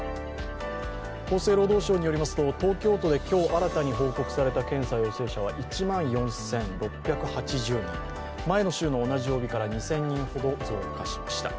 厚生労働省によりますと、東京都で今日、新たに報告された感染者は１万４６８０人で前の週の同じ曜日から２０００人ほど増加しました。